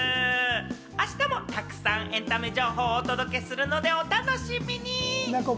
明日も沢山エンタメ情報をお届けするので、お楽しみに。